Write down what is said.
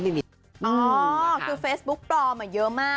คือเฟซบุ๊กปลอมเยอะมาก